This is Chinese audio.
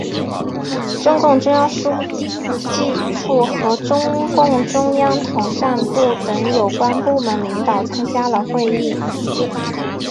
中共中央书记处和中共中央统战部等有关部门领导参加了会议。